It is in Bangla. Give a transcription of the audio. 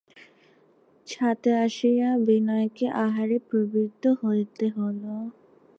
ছাতে আসিয়া বিনয়কে আহারে প্রবৃত্ত হইতে হইল।